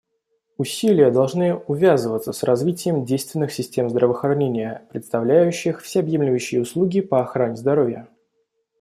Усилия должны увязываться с развитием действенных систем здравоохранения, предоставляющих всеобъемлющие услуги по охране здоровья.